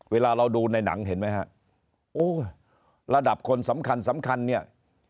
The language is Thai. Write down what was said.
เวลาเราดูในหนังเห็นไหมฮะโอ้ระดับคนสำคัญสำคัญเนี่ย